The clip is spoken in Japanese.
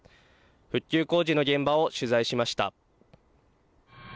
復旧工事の現場を取材しました。